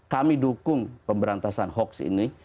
kami dukung pemberantasan hoax ini